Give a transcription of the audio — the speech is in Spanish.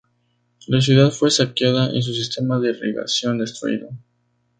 La ciudad fue saqueada y su sistema de irrigación destruido.